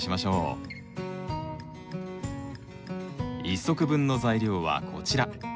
１足分の材料はこちら。